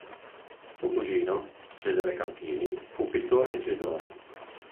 Suo cugino, Cesare Campini, fu pittore e incisore.